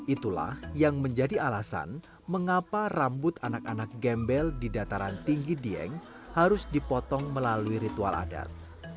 itulah yang menjadi alasan mengapa rambut anak anak gembel di dataran tinggi dieng harus dipotong melalui ritual adat